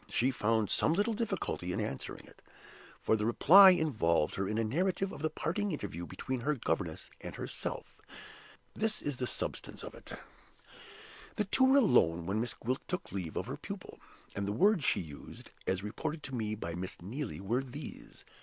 She found some little difficulty in answering it, for the reply involved her in a narrative of the parting interview between her governess and herself. This is the substance of it. The two were alone when Miss Gwilt took leave of her pupil; and the words she used (as reported to me by Miss Neelie) were these.